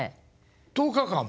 １０日間も！？